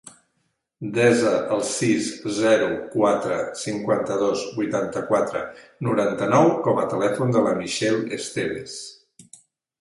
Desa el sis, zero, quatre, cinquanta-dos, vuitanta-quatre, noranta-nou com a telèfon de la Michelle Esteves.